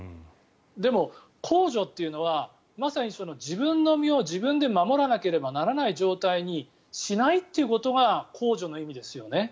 でも公助というのはまさに自分の身を自分で守らなければならない状況にしないということが公助の意味ですよね。